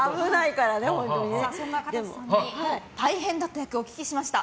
かたせさんに大変だった役をお聞きしました。